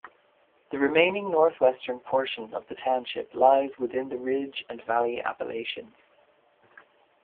The remaining northwestern portion of the township lies within the Ridge-and-valley Appalachians.